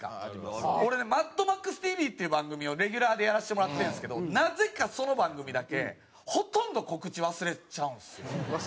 俺ね『マッドマックスＴＶ』っていう番組をレギュラーでやらせてもらってるんですけどなぜかその番組だけほとんど告知忘れちゃうんですよ。